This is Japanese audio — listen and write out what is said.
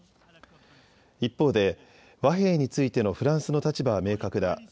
一方で和平についてのフランスの立場は明確だ。